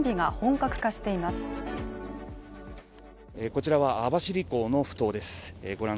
こちらは網走港の埠頭ですご覧